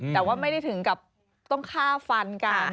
แต่ว่าไม่ได้ถึงกับต้องฆ่าฟันกัน